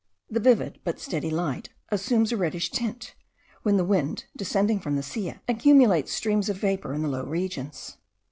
The vivid but steady light assumes a reddish tint, when the wind, descending from the Silla, accumulates streams of vapour in the low regions.